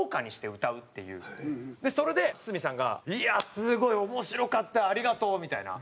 それで堤さんが「いやすごい面白かったよ。ありがとう」みたいな。